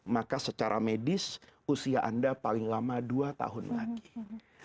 maka secara medis usia anda paling lama dua tahun lagi